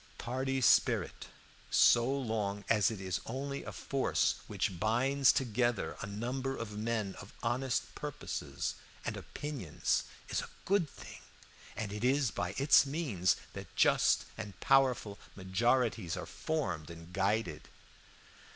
"Party spirit, so long as it is only a force which binds together a number of men of honest purposes and opinions, is a good thing, and it is by its means that just and powerful majorities are formed and guided.